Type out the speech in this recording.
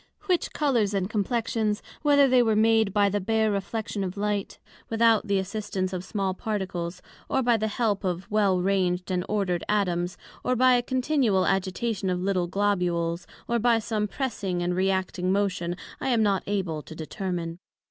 Which Colours and Complexions, whether they were made by the bare reflection of light, without the assistance of small particles; or by the help of well ranged and order'd Atoms; or by a continual agitation of little Globules; or by some pressing and re acting motion, I am not able to determine.